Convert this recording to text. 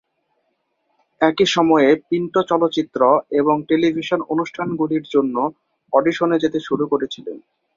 একই সময়ে, পিন্টো চলচ্চিত্র এবং টেলিভিশন অনুষ্ঠানগুলির জন্য অডিশনে যেতে শুরু করেছিলেন।